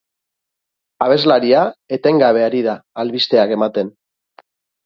Abeslaria etengabe ari da albisteak ematen.